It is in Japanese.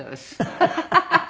ハハハハ。